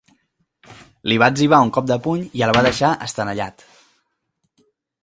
Li va etzibar un cop de puny i el va deixar estenallat.